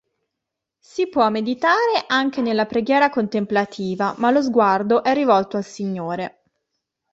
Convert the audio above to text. Si può meditare anche nella preghiera contemplativa, ma lo sguardo è rivolto al Signore.